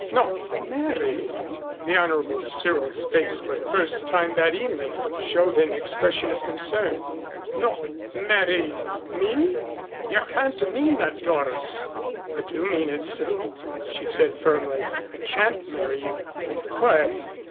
"Not marry ?" The Honorable Cyril's face for the first time that evening showed an expression of concern. "Not marry me? You can't mean that, Doris." "I do mean it, Cyril," she said firmly. "I can't marry you." "Why